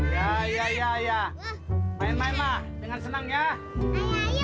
ya ya ya ya main main dengan senang ya ayo